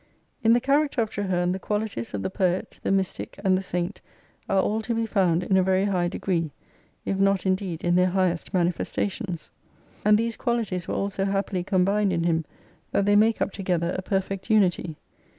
In the character of Traheme the qualities of the poet, the mystic, and the saint are all to be found in a very high degree, if not indeed in their highest manifestations. And these qualities were all so happily combined in him that they make up together a perfect unity.